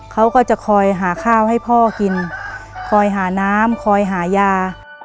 เขาก็จะคอยหาข้าวให้พ่อกินคอยหาน้ำคอยหายา